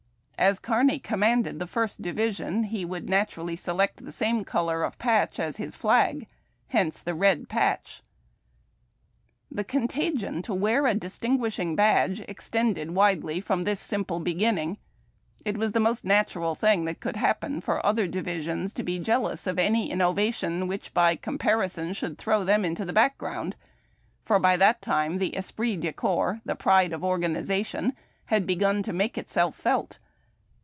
As Kearny commanded the First Division, he would naturally select the same color of patch as his flag. Hence the red patch. The contagion to wear a distinguishing badge extended widely from this simple beginning. It was the most natural thing that could happen for other divisions tO be jealous of any innovation whicli, by comparison, should throw them into the background, for by that time the esprit de corps, the pride of organization, had begun to make itself felt.